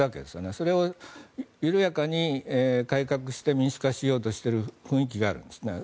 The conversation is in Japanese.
それを緩やかに改革して民主化しようとしている雰囲気があるわけですね。